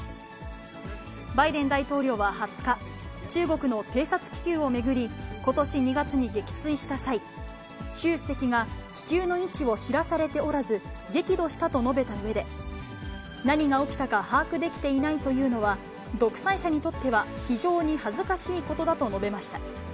バイデン大統領は２０日、中国の偵察気球を巡り、ことし２月に撃墜した際、習主席が気球の位置を知らされておらず、激怒したと述べたうえで、何が起きたか把握できていないというのは、独裁者にとっては非常に恥ずかしいことだと述べました。